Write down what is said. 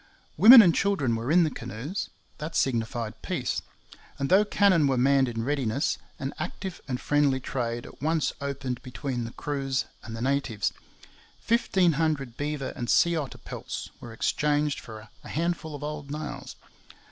Women and children were in the canoes. That signified peace; and though cannon were manned in readiness, an active and friendly trade at once opened between the crews and the natives. Fifteen hundred beaver and sea otter pelts were exchanged for a handful of old nails.